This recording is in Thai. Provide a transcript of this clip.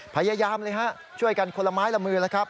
พยายามเลยฮะช่วยกันคนละไม้ละมือแล้วครับ